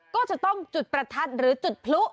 ก็จะต้องจุดประทัดหรือจุดพลุ